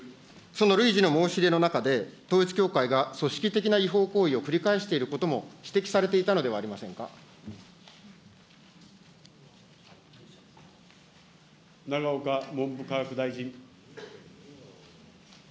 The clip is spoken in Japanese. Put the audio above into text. その累次の申し入れの中で、統一教会が組織的な違法行為を繰り返していることも指摘されてい永岡文部科学大臣。